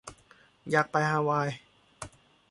อยากไปฮาวาย